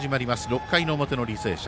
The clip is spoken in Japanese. ６回の表の履正社。